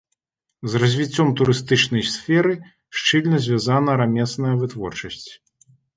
З развіццём турыстычнай сферы шчыльна звязана рамесная вытворчасць.